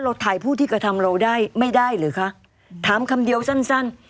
ถ่ายผู้ที่กระทำเราได้ไม่ได้หรือคะถามคำเดียวสั้นสั้น